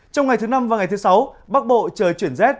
trong ngày thứ năm và ngày thứ sáu bắc bộ trời chuyển rét